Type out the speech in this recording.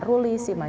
ketua umum pbpjn